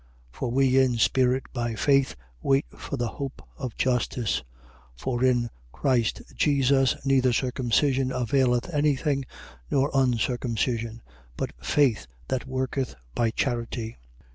5:5. For we in spirit, by faith, wait for the hope of justice. 5:6. For in Christ Jesus neither circumcision availeth any thing nor uncircumcision: but faith that worketh by Charity.